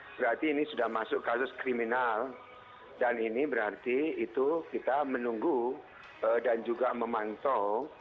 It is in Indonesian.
berarti ini sudah masuk kasus kriminal dan ini berarti itu kita menunggu dan juga memantau